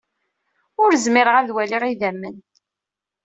Ur zmireɣ ad waliɣ idammen.